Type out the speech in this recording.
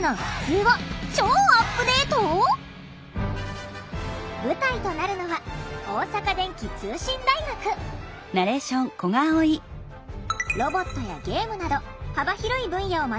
まずは舞台となるのはロボットやゲームなど幅広い分野を学べ